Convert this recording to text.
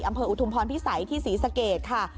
อำเภออุทุมพรพิสัยที่ศรีสเกตค่ะ